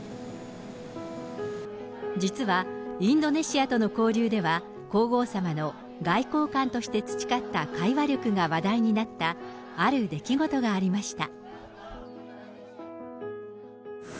実は、インドネシアとの交流では、皇后さまの外交官として培った会話力が話題になった、ある出来事がありました。